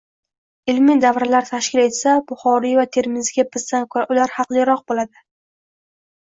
ilmiy davralar tashkil etsa, Buxoriy va Termiziyga bizdan ko‘ra ular haqliroq bo‘ladi.